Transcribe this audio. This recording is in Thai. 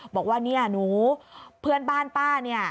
บอกว่าเนี่ยหนูเพื่อนบ้านป้าเนี่ย